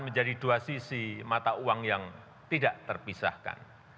menjadi dua sisi mata uang yang tidak terpisahkan